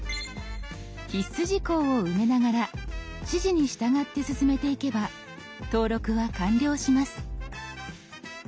必須事項を埋めながら指示に従って進めていけば登録は完了します。